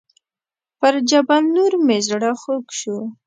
پر جبل النور مې زړه خوږ شو.